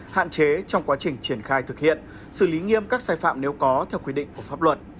hạn chế trong quá trình triển khai thực hiện xử lý nghiêm các sai phạm nếu có theo quy định của pháp luật